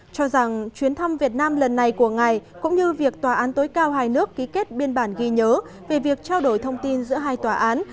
cho rằng chuyến thăm việt nam lần này của ngài cũng như việc tòa án tối cao hai nước ký kết biên bản ghi nhớ về việc trao đổi thông tin giữa hai tòa án